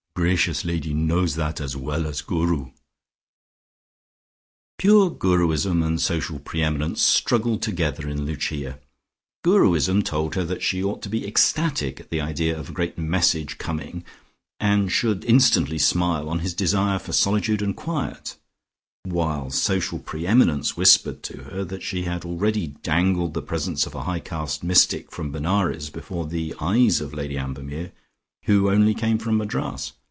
Gracious lady knows that as well as Guru." Pure Guruism and social pre eminence struggled together in Lucia. Guruism told her that she ought to be ecstatic at the idea of a great message coming and should instantly smile on his desire for solitude and quiet, while social pre eminence whispered to her that she had already dangled the presence of a high caste mystic from Benares before the eyes of Lady Ambermere, who only came from Madras.